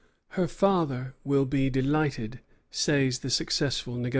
"Her father will be delighted," says the successful negotiator.